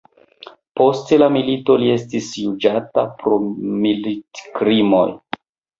Post la milito li estis juĝata pro militkrimoj.